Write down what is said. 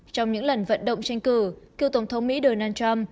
trong những lần vận động tranh cử cựu tổng thống mỹ donald trump